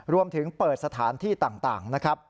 รวมถึงเปิดสถานที่ต่างนะครับ